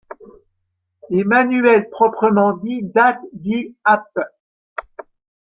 Les manuels proprement dits datent du ap.